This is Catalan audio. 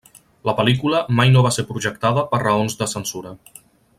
La pel·lícula mai no va ser projectada per raons de censura.